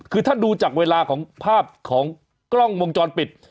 คือถ้าดูจากเวลาของภาพของกล้องวงจรปิด